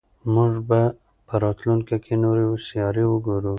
موږ به په راتلونکي کې نورې سیارې وګورو.